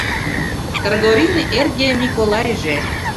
Кыргорин эрге Миколайже